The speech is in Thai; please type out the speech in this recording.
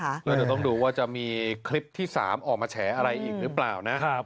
เราจะต้องดูว่าจะมีคลิปที่๓ออกมาแฉอะไรอีกหรือเปล่านะ